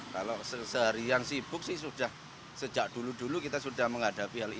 kalau seharian sibuk sih sudah sejak dulu dulu kita sudah menghadapi hal ini